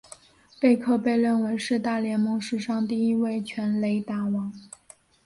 贝克被认为是大联盟史上第一位全垒打王。